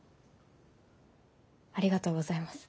ありがとうございます。